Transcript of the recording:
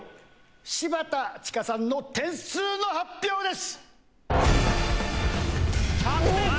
柴田千佳さんの点数の発表です！